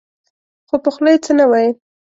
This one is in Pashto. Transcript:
خو په خوله يې څه نه ويل.